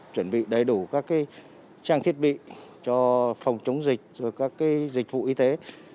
chuẩn bị đầy đủ các trang thiết bị cho phòng chống dịch các dịch vụ y tế